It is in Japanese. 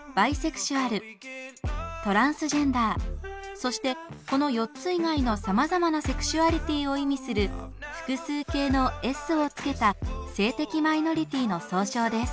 そしてこの４つ以外のさまざまなセクシュアリティーを意味する複数形の「ｓ」をつけた性的マイノリティーの総称です。